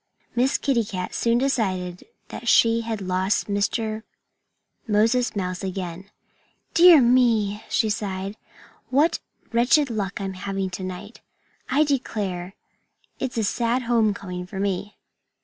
Miss Kitty Cat soon decided that she had lost Moses Mouse again. "Dear me!" she sighed. "What wretched luck I'm having to night! I declare, it's a sad home coming for me."